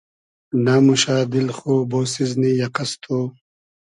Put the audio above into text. نئموشۂ دیل خو بۉسیزنی یئقئس تو؟